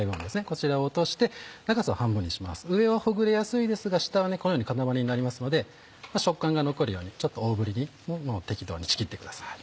こちらを落として長さを半分にします上はほぐれやすいですが下はこのように塊になりますので食感が残るようにちょっと大ぶりに適当にちぎってください。